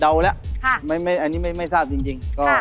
แล้วอันนี้ไม่ทราบจริง